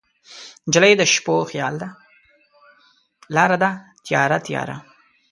لاره ده تیاره، تیاره